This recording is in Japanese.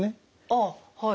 あっはい。